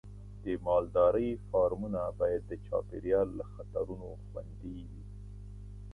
د مالدارۍ فارمونه باید د چاپېریال له خطرونو خوندي وي.